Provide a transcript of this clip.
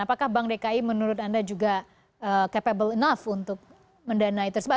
apakah bank dki menurut anda juga capable enough untuk mendanai tersebut